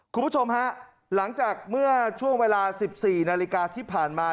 คุณผู้ชมฮะหลังจากเมื่อช่วงเวลา๑๔นาฬิกาที่ผ่านมา